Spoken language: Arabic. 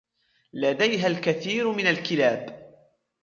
لديها الكثير من الكلاب.